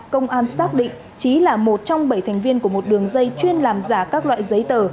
công an xác định trí là một trong bảy thành viên của một đường dây chuyên làm giả các loại giấy tờ